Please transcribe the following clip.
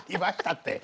って。